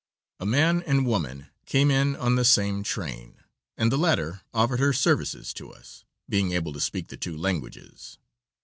A man and woman came in on the same train, and the latter offered her services to us, being able to speak the two languages.